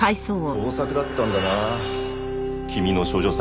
盗作だったんだな君の処女作。